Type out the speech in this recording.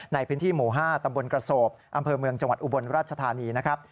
ในพื้นที่หมู่๕ตำบลกระโศกอำเภอเมืองจังหวัดอุบลราชธานีนะครับ